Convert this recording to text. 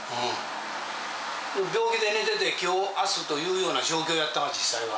病気で寝てて、きょう、あすというような状況だったの、実際は。